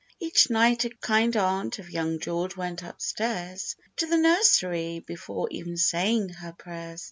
Each night a kind Aunt of young George went up stairs To the nursery, before even saying her prayers.